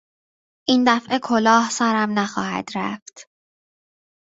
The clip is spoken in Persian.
این دفعه کلاه سرم نخواهد رفت.